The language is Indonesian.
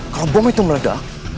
kalau bom itu meledak